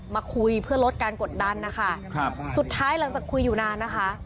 มาคุยเพื่อลดการกดดันนะคะครับสุดท้ายหลังจากคุยอยู่นานนะคะ